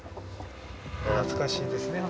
懐かしいですね本当ね。